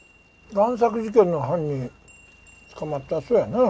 贋作事件の犯人捕まったそうやな。